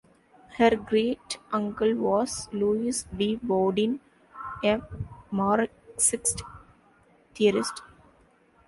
Her great-uncle was Louis B. Boudin, a Marxist theorist.